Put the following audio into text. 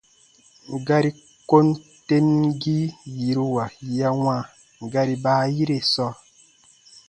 Gari kom temgii yiruwa ya wãa gari baayire sɔɔ.